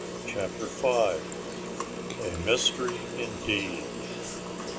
CHAPTER FIVE _A Mystery Indeed!